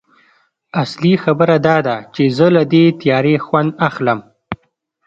اصلي خبره دا ده چې زه له دې تیارې خوند اخلم